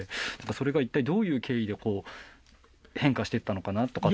それが一体どういう経緯で変化していったのかなとか。